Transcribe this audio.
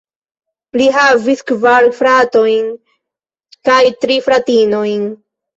Li havis kvar fratojn kaj tri fratinojn.